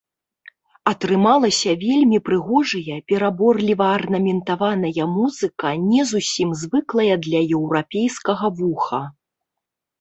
Атрымалася вельмі прыгожая, пераборліва арнаментаваная музыка, не зусім звыклая для еўрапейскага вуха.